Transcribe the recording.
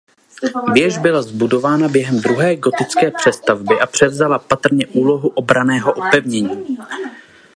Věž byla zbudována během druhé gotické přestavby a převzala patrně úlohu obranného opevnění.